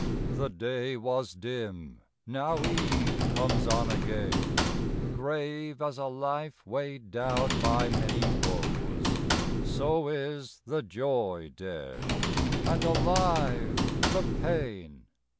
The day was dim; now eve comes on again, Grave as a life weighed down by many woes, So is the joy dead, and alive the pain.